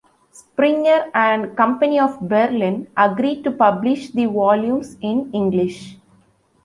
Springer and Company of Berlin agreed to publish the volumes in English.